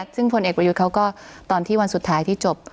ซึ่งผลเอกประยุทธ์เขาก็ตอนที่วันสุดท้ายที่จบ